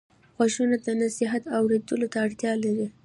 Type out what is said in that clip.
غوږونه د نصیحت اورېدلو ته اړتیا لري